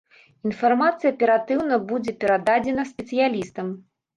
Інфармацыя аператыўна будзе перададзена спецыялістам.